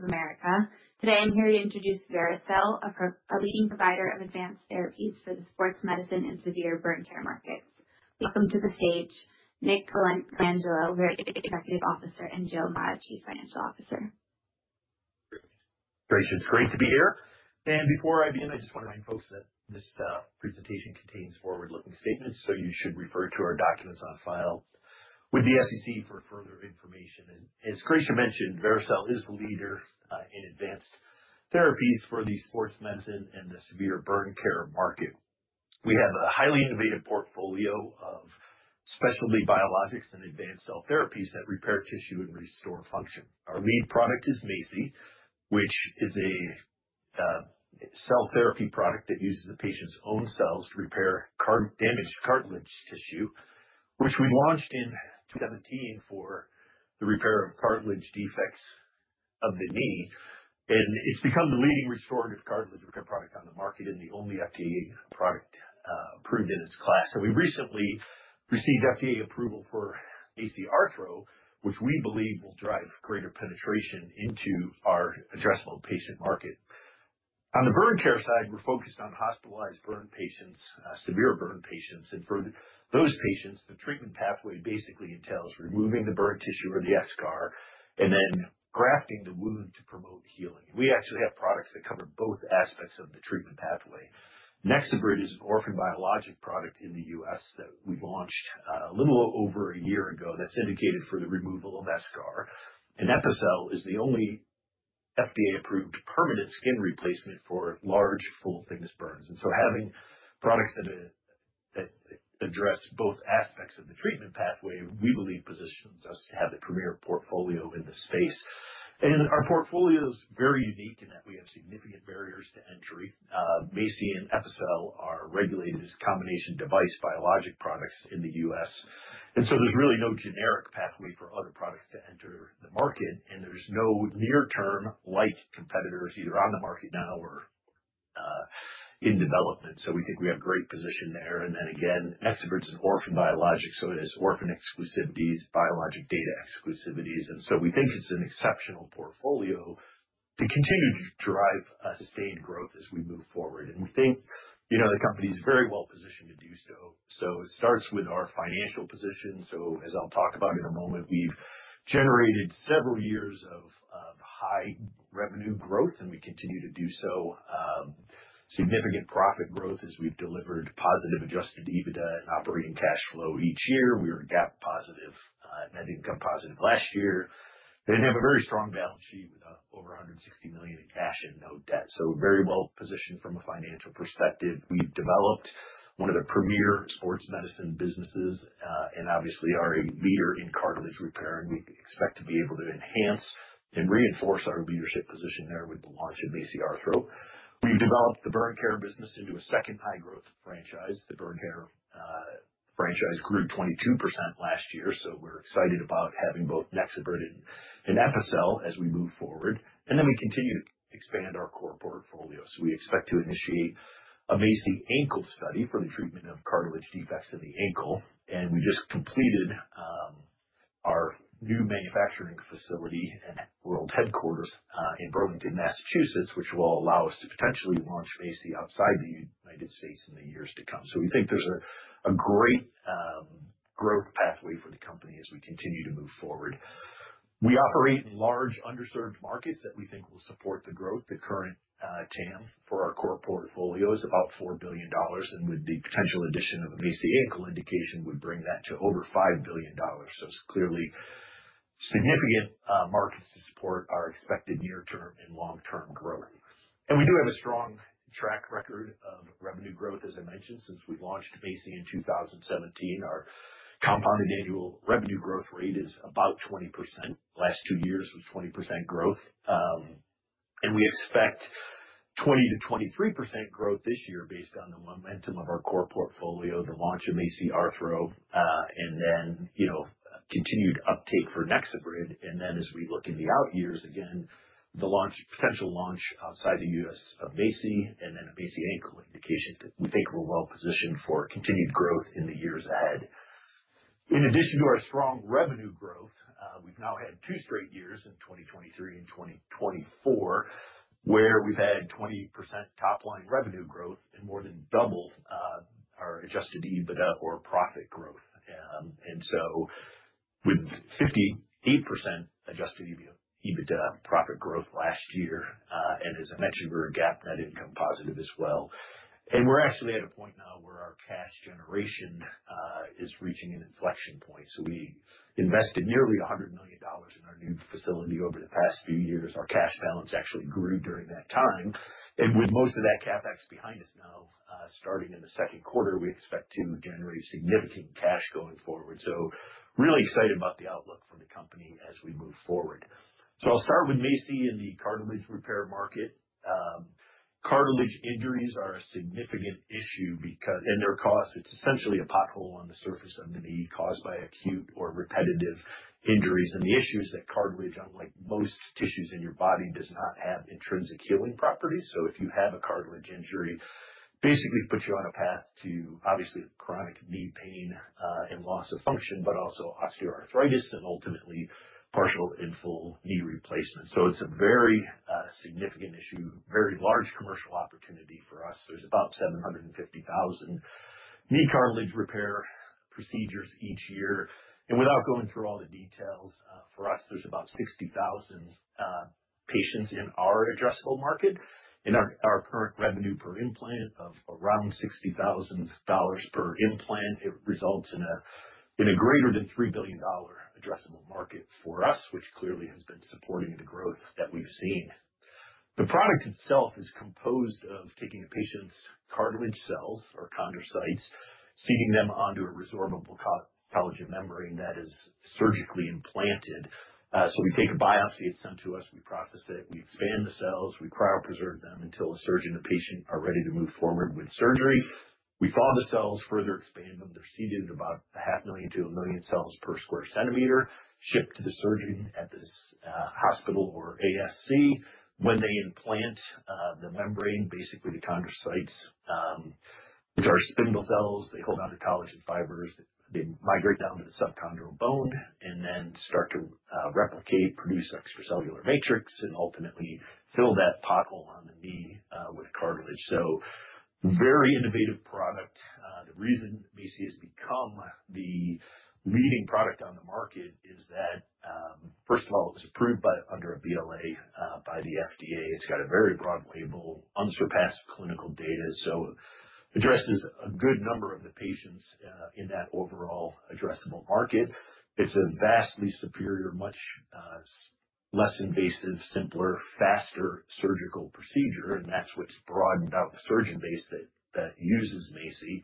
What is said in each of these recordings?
Bank of America. Today I'm here to introduce Vericel, a leading provider of advanced therapies for the sports medicine and severe burn care markets. Welcome to the stage, Nick Colangelo, Vericel Executive Officer, and Joe Mara, Chief Financial Officer. Great. It's great to be here. Before I begin, I just want to remind folks that this presentation contains forward-looking statements, so you should refer to our documents on file with the SEC for further information. As Grisha mentioned, Vericel is the leader in advanced therapies for the sports medicine and the severe burn care market. We have a highly innovative portfolio of specialty biologics and advanced cell therapies that repair tissue and restore function. Our lead product is MACI, which is a cell therapy product that uses the patient's own cells to repair damaged cartilage tissue, which we launched in 2017 for the repair of cartilage defects of the knee. It has become the leading restorative cartilage repair product on the market and the only FDA product approved in its class. We recently received FDA approval for MACI Arthro, which we believe will drive greater penetration into our addressable patient market. On the burn care side, we're focused on hospitalized burn patients, severe burn patients. For those patients, the treatment pathway basically entails removing the burn tissue or the eschar and then grafting the wound to promote healing. We actually have products that cover both aspects of the treatment pathway. NexoBrid is an orphan biologic product in the U.S. that we launched a little over a year ago that's indicated for the removal of eschar. Epicel is the only FDA-approved permanent skin replacement for large full-thickness burns. Having products that address both aspects of the treatment pathway, we believe, positions us to have the premier portfolio in the space. Our portfolio is very unique in that we have significant barriers to entry. MACI and Epicel are regulated as combination device biologic products in the U.S. There is really no generic pathway for other products to enter the market. There are no near-term competitors either on the market now or in development. We think we have a great position there. Next, NexoBrid is an orphan biologic, so it has orphan exclusivities, biologic data exclusivities. We think it is an exceptional portfolio to continue to drive sustained growth as we move forward. We think the company is very well positioned to do so. It starts with our financial position. As I will talk about in a moment, we have generated several years of high revenue growth, and we continue to do so. Significant profit growth as we have delivered positive adjusted EBITDA and operating cash flow each year. We were GAAP positive and net income positive last year. We have a very strong balance sheet with over $160 million in cash and no debt. Very well positioned from a financial perspective. We have developed one of the premier sports medicine businesses and obviously are a leader in cartilage repair. We expect to be able to enhance and reinforce our leadership position there with the launch of MACI Arthro. We have developed the burn care business into a second high-growth franchise. The burn care franchise grew 22% last year. We are excited about having both NexoBrid and Epicel as we move forward. We continue to expand our core portfolio. We expect to initiate a MACI ankle study for the treatment of cartilage defects in the ankle. We just completed our new manufacturing facility and world headquarters in Burlington, Massachusetts, which will allow us to potentially launch MACI outside the U.S. in the years to come. We think there is a great growth pathway for the company as we continue to move forward. We operate in large underserved markets that we think will support the growth. The current TAM for our core portfolio is about $4 billion. With the potential addition of a MACI ankle indication, we bring that to over $5 billion. It is clearly significant markets to support our expected near-term and long-term growth. We do have a strong track record of revenue growth, as I mentioned, since we launched MACI in 2017. Our compounded annual revenue growth rate is about 20%. Last two years was 20% growth. We expect 20%-23% growth this year based on the momentum of our core portfolio, the launch of MACI Arthro, and then continued uptake for NexoBrid. As we look in the out years again, the potential launch outside the U.S. of MACI and then a MACI ankle indication that we think we're well positioned for continued growth in the years ahead. In addition to our strong revenue growth, we've now had two straight years in 2023 and 2024 where we've had 20% top-line revenue growth and more than doubled our adjusted EBITDA or profit growth. With 58% adjusted EBITDA profit growth last year. As I mentioned, we're a GAAP net income positive as well. We're actually at a point now where our cash generation is reaching an inflection point. We invested nearly $100 million in our new facility over the past few years. Our cash balance actually grew during that time. With most of that CapEx behind us now, starting in the second quarter, we expect to generate significant cash going forward. Really excited about the outlook for the company as we move forward. I'll start with MACI and the cartilage repair market. Cartilage injuries are a significant issue because their cost, it's essentially a pothole on the surface of the knee caused by acute or repetitive injuries. The issue is that cartilage, unlike most tissues in your body, does not have intrinsic healing properties. If you have a cartilage injury, basically puts you on a path to obviously chronic knee pain and loss of function, but also osteoarthritis and ultimately partial and full knee replacement. It's a very significant issue, very large commercial opportunity for us. There's about 750,000 knee cartilage repair procedures each year. Without going through all the details, for us, there's about 60,000 patients in our addressable market. Our current revenue per implant of around $60,000 per implant results in a greater than $3 billion addressable market for us, which clearly has been supporting the growth that we've seen. The product itself is composed of taking a patient's cartilage cells or chondrocytes, seeding them onto a resorbable collagen membrane that is surgically implanted. We take a biopsy, it's sent to us, we process it, we expand the cells, we cryopreserve them until a surgeon and a patient are ready to move forward with surgery. We thaw the cells, further expand them. They're seeded at about 500,000 to 1 million cells per square centimeter, shipped to the surgeon at this hospital or ASC. When they implant the membrane, basically the chondrocytes, which are spindle cells, they hold onto collagen fibers, they migrate down to the subchondral bone, and then start to replicate, produce extracellular matrix, and ultimately fill that pothole on the knee with cartilage. Very innovative product. The reason MACI has become the leading product on the market is that, first of all, it was approved under a BLA by the FDA. It's got a very broad label, unsurpassed clinical data. It addresses a good number of the patients in that overall addressable market. It's a vastly superior, much less invasive, simpler, faster surgical procedure. That's what's broadened out the surgeon base that uses MACI.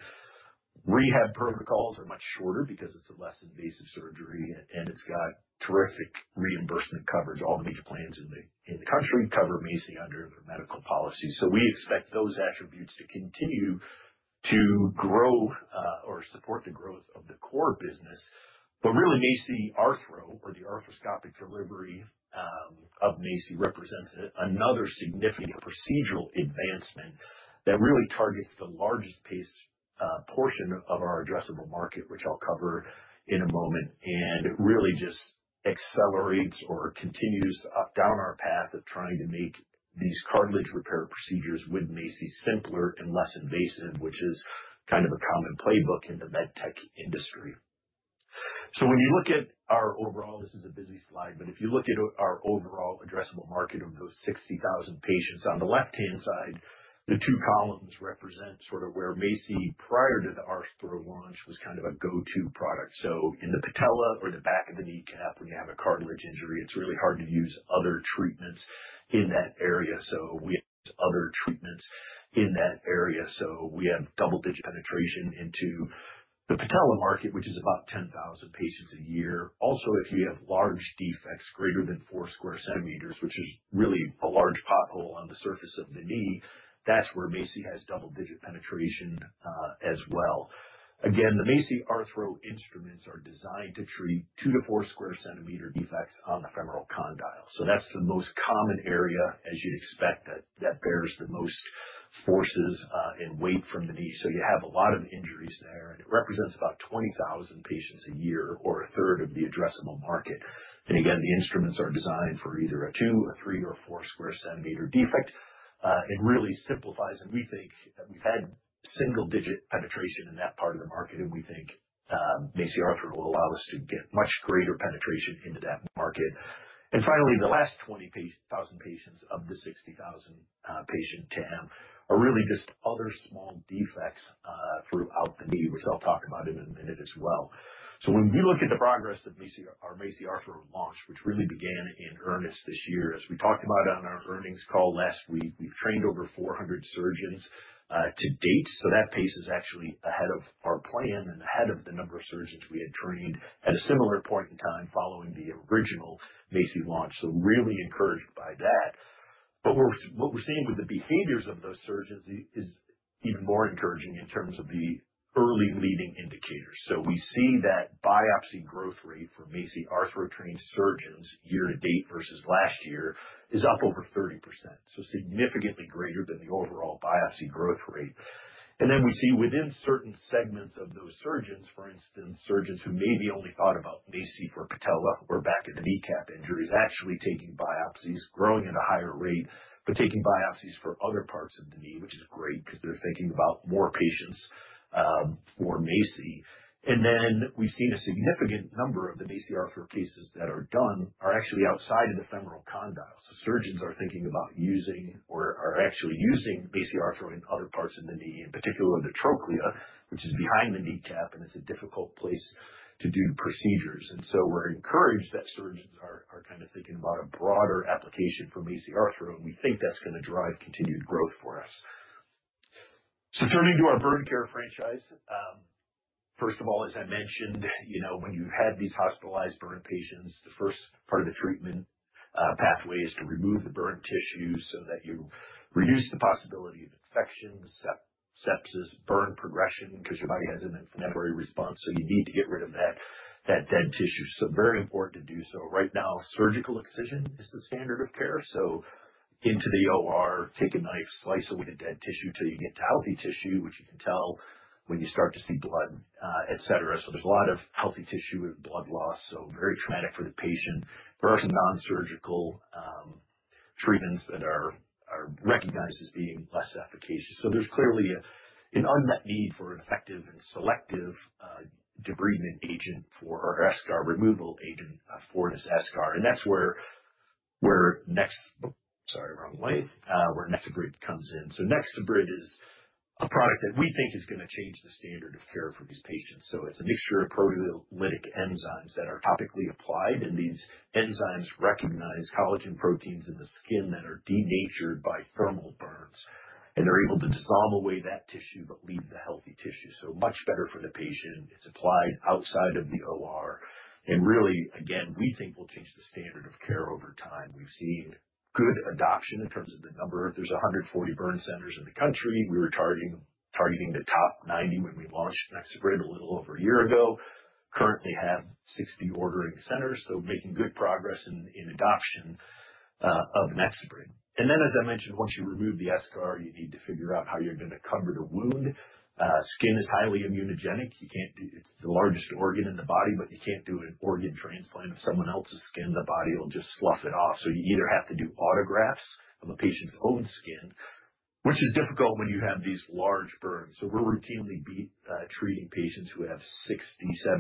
Rehab protocols are much shorter because it's a less invasive surgery. It has got terrific reimbursement coverage. All the major plans in the country cover MACI under their medical policy. We expect those attributes to continue to grow or support the growth of the core business. Really, MACI Arthro or the arthroscopic delivery of MACI represents another significant procedural advancement that targets the largest portion of our addressable market, which I will cover in a moment. It really just accelerates or continues down our path of trying to make these cartilage repair procedures with MACI simpler and less invasive, which is kind of a common playbook in the med tech industry. When you look at our overall, this is a busy slide, but if you look at our overall addressable market of those 60,000 patients on the left-hand side, the two columns represent sort of where MACI prior to the Arthro launch was kind of a go-to product. In the patella or the back of the kneecap, when you have a cartilage injury, it's really hard to use other treatments in that area. We have double-digit penetration into the patella market, which is about 10,000 patients a year. Also, if you have large defects greater than 4 sq cm, which is really a large pothole on the surface of the knee, that's where MACI has double-digit penetration as well. The MACI Arthro instruments are designed to treat 2-4 sq cm defects on the femoral condyle. That's the most common area, as you'd expect, that bears the most forces and weight from the knee. You have a lot of injuries there. It represents about 20,000 patients a year or a third of the addressable market. Again, the instruments are designed for either a two, a three, or four sq cm defect. It really simplifies, and we think we've had single-digit penetration in that part of the market. We think MACI Arthro will allow us to get much greater penetration into that market. Finally, the last 20,000 patients of the 60,000 patient TAM are really just other small defects throughout the knee, which I'll talk about in a minute as well. When we look at the progress of our MACI Arthro launch, which really began in earnest this year, as we talked about on our earnings call last week, we've trained over 400 surgeons to date. That pace is actually ahead of our plan and ahead of the number of surgeons we had trained at a similar point in time following the original MACI launch. Really encouraged by that. What we're seeing with the behaviors of those surgeons is even more encouraging in terms of the early leading indicators. We see that biopsy growth rate for MACI Arthro trained surgeons year to date versus last year is up over 30%. Significantly greater than the overall biopsy growth rate. We see within certain segments of those surgeons, for instance, surgeons who maybe only thought about MACI for patella or back of the kneecap injuries, actually taking biopsies, growing at a higher rate, but taking biopsies for other parts of the knee, which is great because they're thinking about more patients for MACI. We have seen a significant number of the MACI Arthro cases that are done are actually outside of the femoral condyle. Surgeons are thinking about using or are actually using MACI Arthro in other parts of the knee, in particular the trochlea, which is behind the kneecap, and it's a difficult place to do procedures. We are encouraged that surgeons are kind of thinking about a broader application for MACI Arthro. We think that's going to drive continued growth for us. Turning to our burn care franchise, first of all, as I mentioned, when you have these hospitalized burn patients, the first part of the treatment pathway is to remove the burn tissue so that you reduce the possibility of infections, sepsis, burn progression, because your body has an inflammatory response. You need to get rid of that dead tissue. Very important to do so. Right now, surgical excision is the standard of care. Into the OR, take a knife, slice away the dead tissue till you get to healthy tissue, which you can tell when you start to see blood, etc. There is a lot of healthy tissue and blood loss. Very traumatic for the patient. There are some nonsurgical treatments that are recognized as being less efficacious. There's clearly an unmet need for an effective and selective debridement agent for our eschar removal agent, Fortis Eschar. That's where—sorry, wrong way—where NexoBrid comes in. NexoBrid is a product that we think is going to change the standard of care for these patients. It's a mixture of proteolytic enzymes that are topically applied. These enzymes recognize collagen proteins in the skin that are denatured by thermal burns, and they're able to dissolve away that tissue that leaves the healthy tissue. Much better for the patient. It's applied outside of the OR. Really, again, we think we'll change the standard of care over time. We've seen good adoption in terms of the number. There are 140 burn centers in the country. We were targeting the top 90 when we launched NexoBrid a little over a year ago. Currently have 60 ordering centers. Making good progress in adoption of NexoBrid. As I mentioned, once you remove the eschar, you need to figure out how you're going to cover the wound. Skin is highly immunogenic. It's the largest organ in the body, but you can't do an organ transplant. If someone else's skin, the body will just slough it off. You either have to do autografts of a patient's own skin, which is difficult when you have these large burns. We're routinely treating patients who have 60%,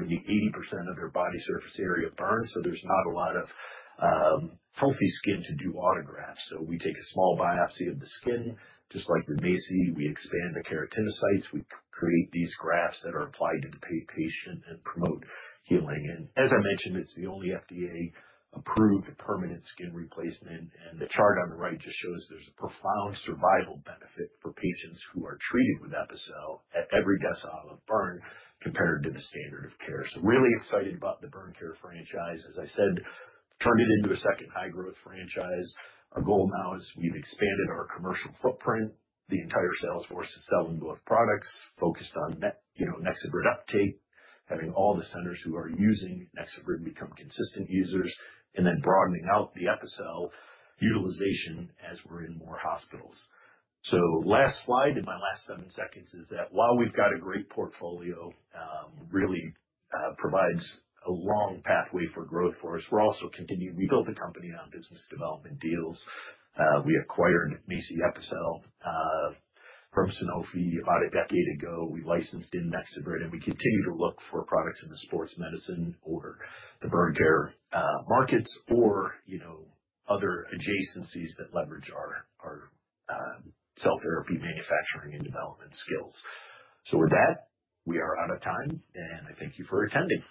70%, 80% of their body surface area burned. There's not a lot of healthy skin to do autografts. We take a small biopsy of the skin, just like with MACI. We expand the keratinocytes. We create these grafts that are applied to the patient and promote healing. As I mentioned, it's the only FDA-approved permanent skin replacement. The chart on the right just shows there's a profound survival benefit for patients who are treated with Epicel at every decile of burn compared to the standard of care. Really excited about the burn care franchise. As I said, turned it into a second high-growth franchise. Our goal now is we've expanded our commercial footprint. The entire sales force is selling both products focused on NexoBrid uptake, having all the centers who are using NexoBrid become consistent users, and then broadening out the Epicel utilization as we're in more hospitals. Last slide in my last seven seconds is that while we've got a great portfolio, really provides a long pathway for growth for us, we're also continuing—we built the company on business development deals. We acquired MACI and Epicel from Sanofi about a decade ago. We licensed in NexoBrid, and we continue to look for products in the sports medicine or the burn care markets or other adjacencies that leverage our cell therapy manufacturing and development skills. With that, we are out of time. I thank you for attending.